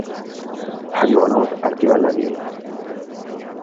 حیوانات اړتیا لري.